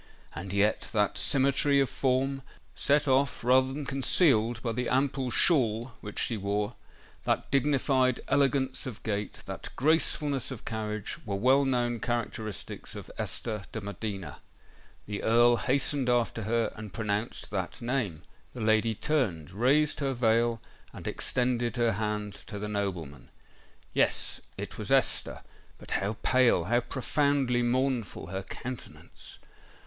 And yet that symmetry of form, set off rather than concealed by the ample shawl which she wore,—that dignified elegance of gait,—that gracefulness of carriage, were well known characteristics of Esther de Medina. The Earl hastened after her, and pronounced that name. The lady turned—raised her veil—and extended her hand to the nobleman. Yes—it was Esther;—but how pale—how profoundly mournful her countenance!